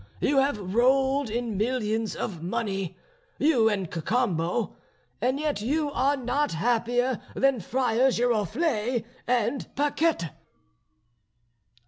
You have rolled in millions of money, you and Cacambo; and yet you are not happier than Friar Giroflée and Paquette."